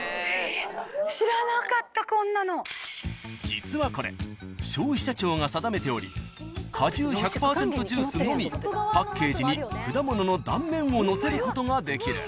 ［実はこれ消費者庁が定めており果汁１００％ジュースのみパッケージに果物の断面を載せることができる］